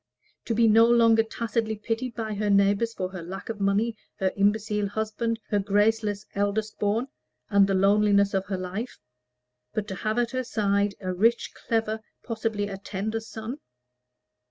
to be no longer tacitly pitied by her neighbors for her lack of money, her imbecile husband, her graceless eldest born, and the loneliness of her life; but to have at her side a rich, clever, possibly a tender, son?